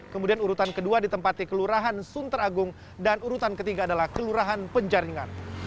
kemudian urutan kedua ditempati kelurahan sunter agung dan urutan ketiga adalah kelurahan penjaringan